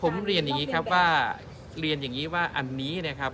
ผมเรียนอย่างนี้ครับว่าเรียนอย่างนี้ว่าอันนี้นะครับ